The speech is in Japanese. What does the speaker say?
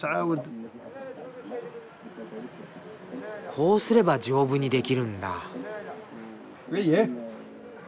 こうすれば丈夫にできるんだ。